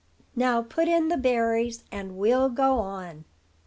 Now put in the berries, and we'll go on."